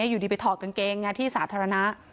อยู่ดีไปถอดกางเกงที่สาธารณะ